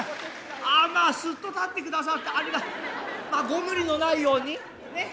ああまあすっと立ってくださってまあご無理のないようにねえ。